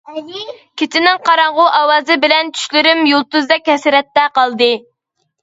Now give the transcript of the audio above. كېچىنىڭ قاراڭغۇ ئاۋازى بىلەن، چۈشلىرىم يۇلتۇزدەك ھەسرەتتە قالدى.